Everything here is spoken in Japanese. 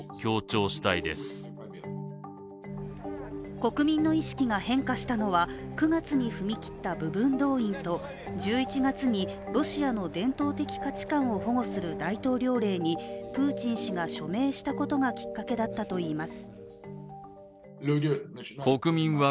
国民の意識が変化したの９月に踏み切った部分動員と、１１月にロシアの伝統的価値観を保護する大統領令にプーチン氏が署名したことがきっかけだったといいます。